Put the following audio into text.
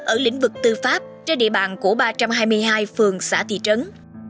ở lĩnh vực tư pháp trên địa bàn của ba trăm hai mươi hai phường xã thị trấn